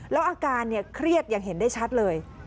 แล้วอาการเนี่ยเครียดอย่างเห็นได้ชัดเลย